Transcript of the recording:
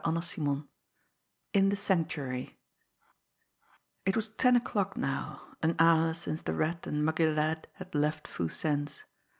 CHAPTER XII IN THE SANCTUARY It was ten o'clock now, an hour since the Rat and Muggy Ladd had left Foo Sen's.